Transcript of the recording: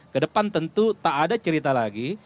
kedepan tentu tak ada cerita lagi